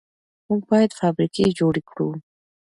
موږ باید فابریکې جوړې کړو.